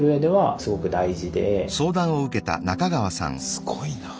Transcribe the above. すごいなぁ。